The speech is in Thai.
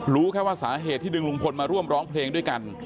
รู้แค่ว่าสาเหตุที่ดึงลุงพลมาร่วมร้องเพลงด้วยกัน